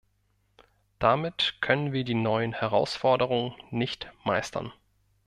Damit können wir die neuen Herausforderungen nicht meistern.